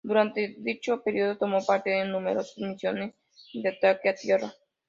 Durante dicho período, tomó parte en numerosas misiones de ataque a tierra.